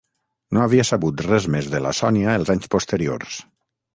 No havia sabut res més de la Sònia els anys posteriors.